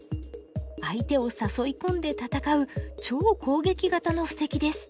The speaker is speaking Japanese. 相手を誘い込んで戦う超攻撃型の布石です。